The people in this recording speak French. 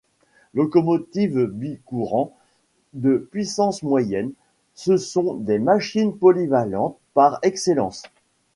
Locomotives bicourant de puissance moyenne, ce sont des machines polyvalentes par excellence.